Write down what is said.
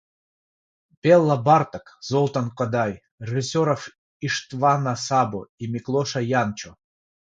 Бела Барток, Золтан Кодай, режиссеров Иштвана Сабо и Миклоша Янчо